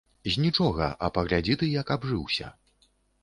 З нічога, а паглядзі ты, як абжыўся.